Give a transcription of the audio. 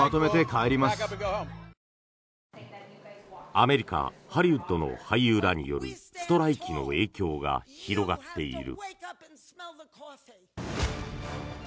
アメリカ・ハリウッドの俳優らによるストライキの影響が広がっている。